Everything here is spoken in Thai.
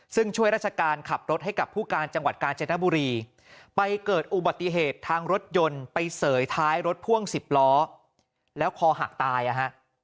ซึ่งช่วยราชการขับรถให้กับผู้การจังหวัดกาญจนบุรีไปเกิดอุบัติเหตุทางรถยนต์ไปเสยท้ายรถพ่วง๑๐ล้อแล้วคอหักตายอ่ะฮะ